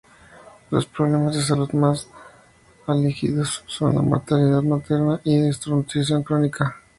Los problemas de salud mas álgidos son: la mortalidad materna y desnutrición crónica.